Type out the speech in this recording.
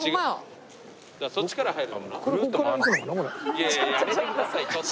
いやいややめてくださいちょっと。